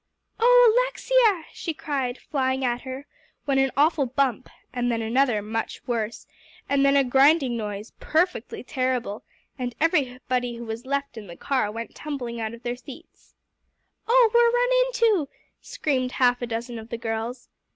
"Oh Alexia!" she cried, flying at her, when an awful bump, and then another much worse, and then a grinding noise, perfectly terrible, and everybody who was left in the car, went tumbling out of their seats. "Oh, we're run into!" screamed half a dozen of the girls.